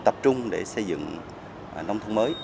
tập trung để xây dựng nông thôn mới